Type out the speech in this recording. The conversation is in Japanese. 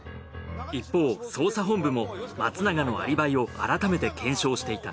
一方捜査本部も松永のアリバイを改めて検証していた。